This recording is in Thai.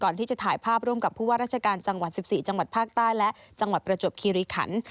ก่อนที่จะถ่ายภาพร่วมกับผู้ว่าราชการจังหวัด๑๔จังหวัดภาคใต้และจังหวัดประจวบคีริขัน